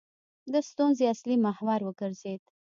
د ستونزې اصلي محور وګرځېد.